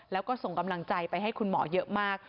แล้วก็ส่งกำลังใจไปให้คุณหมอเยอะมาก